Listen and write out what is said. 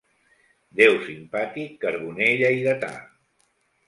Deu simpàtic carboner lleidatà.